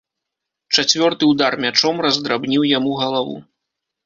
Чацвёрты ўдар мячом раздрабніў яму галаву.